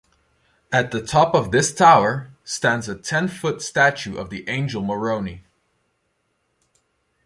At the top of this tower stands a ten-foot statue of the angel Moroni.